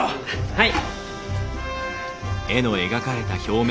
はい！